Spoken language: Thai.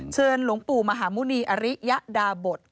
หลวงปู่มหาหมุณีอริยดาบท